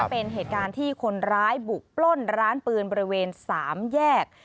เป็นเหตุการณ์ที่คนร้ายบุกปล้นร้านปืนบริเวณ๓แยก